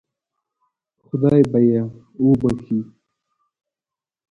خدای به یې وبخشي.